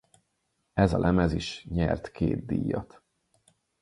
Ez a lemez is nyert két díjat.